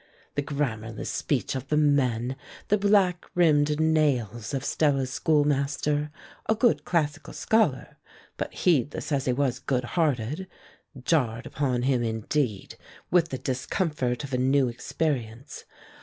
The grammarless speech of the men, the black rimmed nails of Stella's schoolmaster a good classical scholar, but heedless as he was good hearted, jarred upon him, indeed, with the discomfort of a new experience.